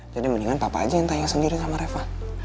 jadi mendingan papa aja yang tanya sendiri sama reva